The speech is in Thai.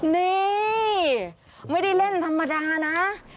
นี่ไม่ได้เล่นธรรมดานะ